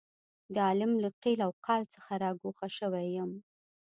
د عالم له قیل او قال څخه را ګوښه شوی یم.